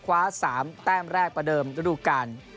คว้า๓แต้มแรกประเดิมฤดูกาล